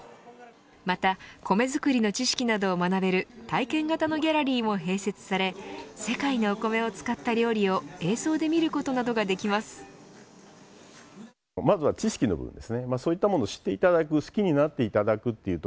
また米作りの知識などを学べる体験型のギャラリーも併設され世界のお米を使った料理を映像で見ることなどができます。